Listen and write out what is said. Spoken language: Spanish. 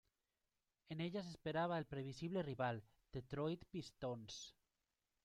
En ellas esperaba el previsible rival, Detroit Pistons.